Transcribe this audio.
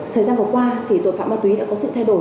thời gian vừa qua thì tội phạm ma túy đã có sự thay đổi